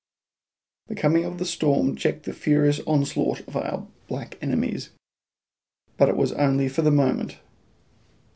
The coming of the storm checked the furious onslaught of our black enemies, but it was only for the moment.